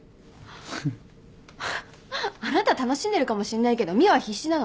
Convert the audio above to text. あなた楽しんでるかもしんないけど美羽は必死なの。